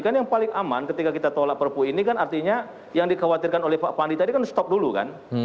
kan yang paling aman ketika kita tolak perpu ini kan artinya yang dikhawatirkan oleh pak pandi tadi kan stop dulu kan